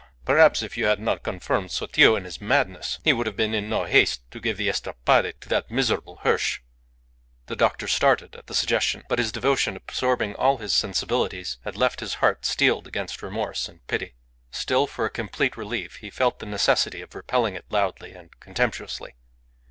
Perhaps, if you had not confirmed Sotillo in his madness, he would have been in no haste to give the estrapade to that miserable Hirsch." The doctor started at the suggestion. But his devotion, absorbing all his sensibilities, had left his heart steeled against remorse and pity. Still, for complete relief, he felt the necessity of repelling it loudly and contemptuously.